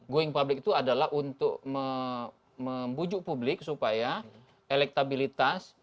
going public itu adalah untuk membujuk publik supaya elektabilitas